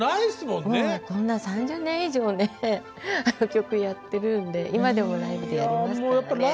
もうこんな３０年以上ねあの曲やってるんで今でもライブでやりますからね。